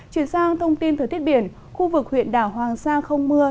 chuyển sang thông tin thời tiết biển khu vực huyện đảo hoàng sa không mưa